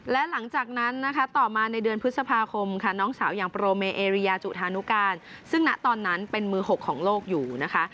และหลังจากนั้นนะคะต่อมาในเดือนพฤษภาคมค่ะน้องสาวอย่างโปรเมเอเรียจุธานุการซึ่งณตอนนั้นเป็นมือ๖ของโลกอยู่นะคะ